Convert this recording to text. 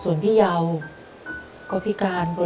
ส่วนพี่เยาว์ก็พิการโปรโลโย